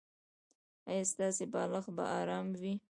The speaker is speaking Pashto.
ایا ستاسو بالښت به ارام وي؟